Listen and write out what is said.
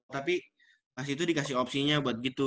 tapi mas itu dikasih opsinya buat gitu